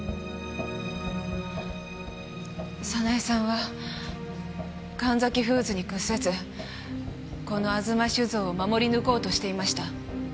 早苗さんは神崎フーズに屈せずこの吾妻酒造を守り抜こうとしていました。